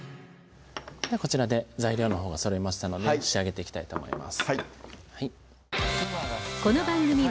ではこちらで材料のほうはそろいましたので仕上げていきたいと思います